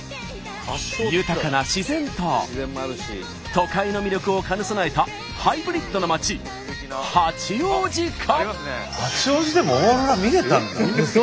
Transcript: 豊かな自然と都会の魅力を兼ね備えたハイブリッドな街八王子か。